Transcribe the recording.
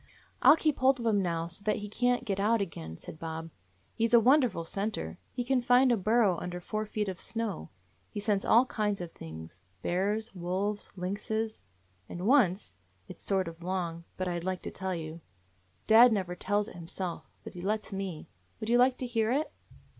"I 'll keep hold of him now, so that he can't get out again," said Bob. "He 's a wonder ful scenter. He can find a burrow under four feet of snow. He scents all kinds of things; bears, wolves, lynxes ; and once — it 's sort of long, but I 'd like to tell you. Dad never 203 DOG HEROES OF MANY LANDS tells it himself, but he lets me. Would you like to hear it?